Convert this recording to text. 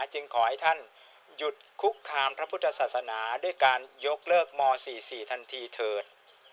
จึงขอให้ท่านหยุดคุกคามพระพุทธศาสนาด้วยการยกเลิกม๔๔ทันทีเถิด